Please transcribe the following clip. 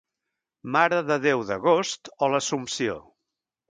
Mare de Déu d'Agost o l'Assumpció.